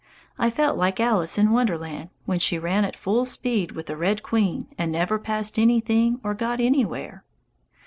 I felt like Alice in Wonderland when she ran at full speed with the red queen and never passed anything or got anywhere.